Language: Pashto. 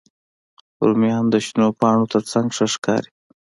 رومیان د شنو پاڼو تر څنګ ښه ښکاري